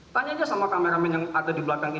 tanyanya sama kameramen yang ada di belakang